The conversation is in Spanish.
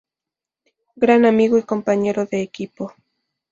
Gran amigo y compañero de equipo.